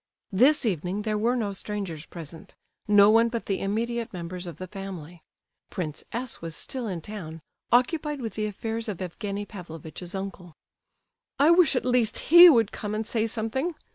This evening there were no strangers present—no one but the immediate members of the family. Prince S. was still in town, occupied with the affairs of Evgenie Pavlovitch's uncle. "I wish at least he would come and say something!"